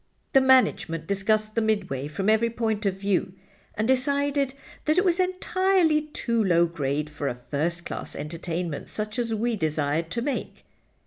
"The management discussed the Midway from every point of view, and decided that it was entirely too low grade for a first class entertainment such as we desired to make.